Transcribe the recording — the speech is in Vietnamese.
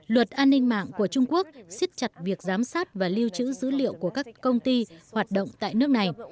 luật an ninh mạng của trung quốc siết chặt việc giám sát và lưu trữ dữ liệu của các công ty hoạt động tại nước này